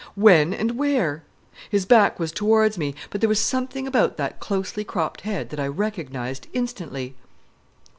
When and where? His back was towards me, but there was something about that closely cropped head that I recognized instantly.